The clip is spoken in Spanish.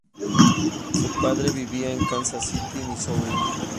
Su padre vivía en Kansas City, Missouri.